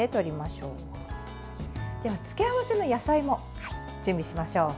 付け合わせの野菜も準備しましょう。